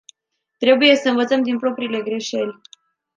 Trebuie să învățăm din propriile greșeli.